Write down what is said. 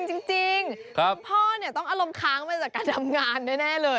จริงคุณพ่อเนี่ยต้องอารมณ์ค้างมาจากการทำงานแน่เลย